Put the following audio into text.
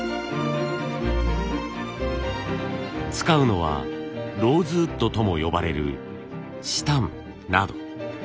使うのはローズウッドとも呼ばれる紫檀など。